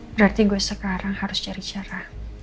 berarti gue sekarang harus cari cara